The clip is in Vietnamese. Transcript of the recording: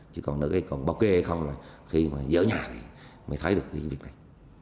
chỉ còn nói cái còn bảo kê không là khi mà dỡ nhà thì mới thấy được cái việc này